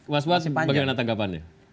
mas was bagaimana tanggapannya